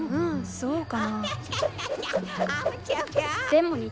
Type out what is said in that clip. そうかな。